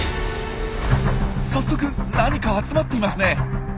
さっそく何か集まっていますね。